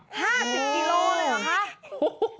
๕๐กิโลกรัมเลยเหรอคะ